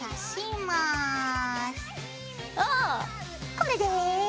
これで。